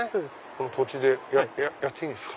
この土地でやっていいんですか？